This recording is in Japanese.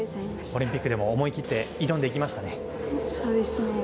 オリンピックでも思い切って挑んでいきましたね。